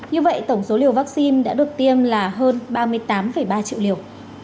như vậy tổng số liều vaccine đã được tiêm là hơn ba mươi tám ba triệu liều